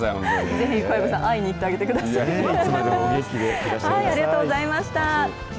ぜひ小籔さん、会いにいってあげてください。